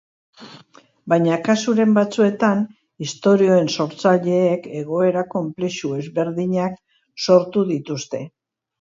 Baina, kasuren batzuetan, istorioen sortzaileek, egoera konplexu ezberdinak sortu dituzte.